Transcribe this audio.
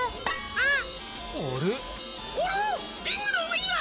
あっ？